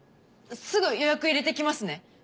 すぐ予約入れてきますね。